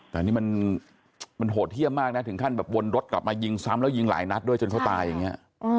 แต่นี่มันโหดเยี่ยมมากนะถึงขั้นแบบวนรถกลับมายิงซ้ำแล้วยิงหลายนัดด้วยจนเขาตายอย่างนี้